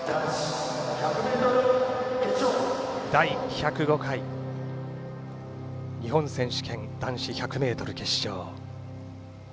第１０５回日本選手権男子１００ｍ決勝。